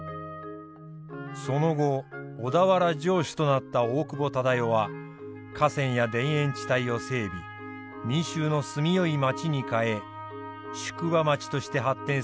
その後小田原城主となった大久保忠世は河川や田園地帯を整備民衆の住みよい街に変え宿場町として発展する基盤を作ったのでした。